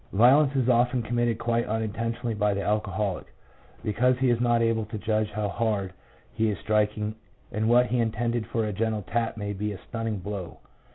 Violence is often committed quite unintentionally by the alcoholic, because he is not able to judge how hard he is striking, and what he intended for a gentle tap may be a stunning blow.